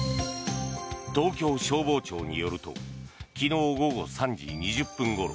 東京消防庁によると昨日午後３時２０分ごろ